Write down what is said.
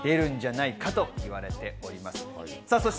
出るんじゃないかと言われております。